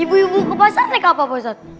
ibu ibu ke pasar naik ke apa pak ustadz